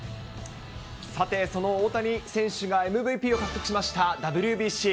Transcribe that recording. さて、その大谷選手がＭＶＰを獲得しましたＷＢＣ。